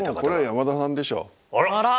これは山田さんでしょう。